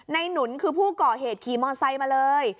หนุนคือผู้ก่อเหตุขี่มอไซค์มาเลย